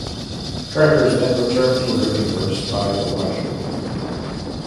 Carter is then returned to her universe by the Watcher.